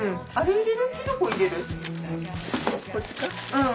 うん。